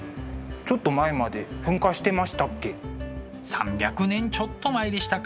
３００年ちょっと前でしたか